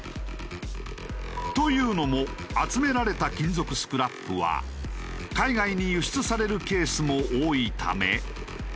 というのも集められた金属スクラップは海外に輸出されるケースも多いため。